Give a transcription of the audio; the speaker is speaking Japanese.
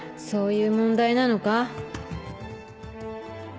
そういう問題なのか？